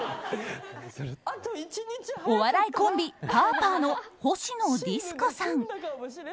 お笑いコンビ、パーパーのほしのディスコさん。